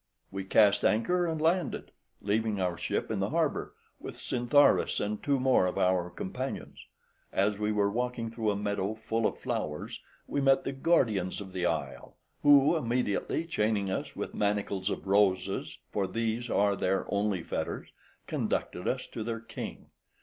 We cast anchor and landed, leaving our ship in the harbour with Scintharus and two more of our companions. As we were walking through a meadow full of flowers, we met the guardians of the isle, who, immediately chaining us with manacles of roses, for these are their only fetters, conducted us to their king.